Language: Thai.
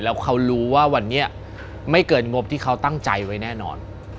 แล้วเขารู้ว่าวันนี้ไม่เกินงบที่เขาตั้งใจไว้แน่นอน